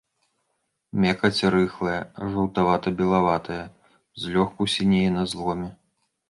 Мякаць рыхлая, жаўтавата-белаватая, злёгку сінее на зломе.